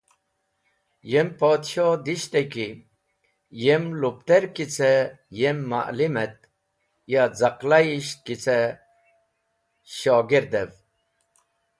Yem Podsho dishti ki yem lupter ki ce, yem ma’lim et ya z̃aqlayish ki ce shogerdev.